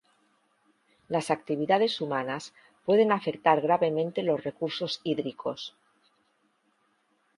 Las actividades humanas pueden afectar gravemente los recursos hídricos.